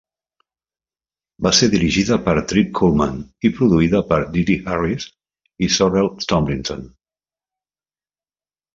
Va ser dirigida per Trip Cullman i produïda per DeDe Harris i Sorrel Tomlinson.